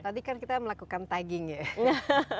tadi kan kita melakukan tagging ya